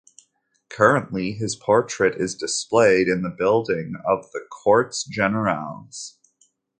Currently his portrait is displayed in the building of the Cortes Generales.